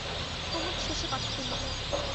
কুমুদ শেষে কথা তুলিল।